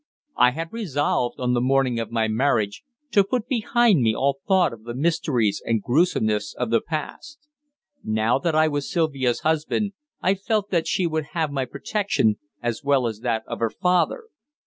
I had resolved, on the morning of my marriage, to put behind me all thought of the mysteries and gruesomeness of the past. Now that I was Sylvia's husband, I felt that she would have my protection, as well as that of her father.